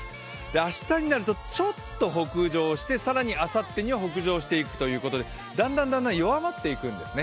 明日になるとちょっと北上して更にあさってには北上していくということでだんだん弱まっていくんですね。